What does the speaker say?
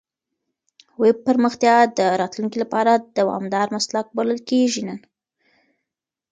ویب پرمختیا د راتلونکي لپاره دوامدار مسلک بلل کېږي نن.